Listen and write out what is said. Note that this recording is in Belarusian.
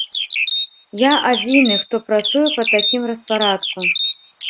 Я адзіны, хто працуе па такім распарадку.